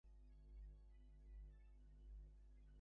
একটি বিশেষ অধিবেশন হয়।